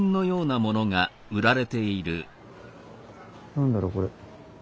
何だろうこれ。